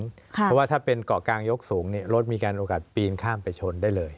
เพราะว่าถ้าเป็นเกาะกลางยกสูงรถมีการโอกาสปีนข้ามไปชนได้เลย